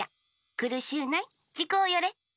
くるしゅうないちこうよれ。